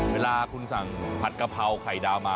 เวลาคุณสั่งผัดกะเพราไข่ดาวมา